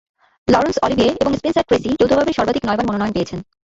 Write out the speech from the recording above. লরন্স Olivier এবং Spencer Tracy যৌথভাবে সর্বাধিক নয়বার মনোনয়ন পেয়েছেন।